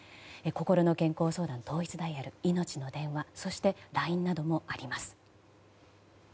こころの健康相談統一ダイヤルいのちの電話、そしてＬＩＮＥなどもあります。